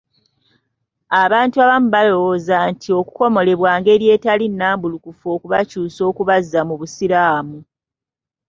Abantu abamu balowooza nti okukomolebwa ngeri etali nnambulukufu okubakyusa okubazza mu busiraamu.